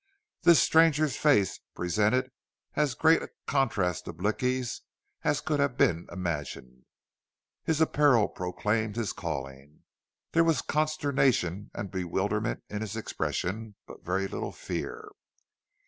This stranger's face presented as great a contrast to Blicky's as could have been imagined. His apparel proclaimed his calling. There were consternation and bewilderment in his expression, but very little fear.